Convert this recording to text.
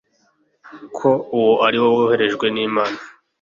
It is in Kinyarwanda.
ko uwo ari we woherejwe n'Imana.